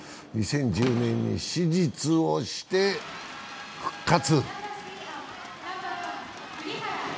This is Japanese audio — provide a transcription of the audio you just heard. ２０１０年に手術をして復活。